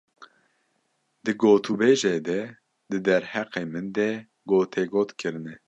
Di gotûbêjê de di derheqê min de gotegot kirine.